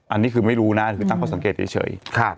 อันนี้คือไม่รู้นะคือตั้งข้อสังเกตเฉย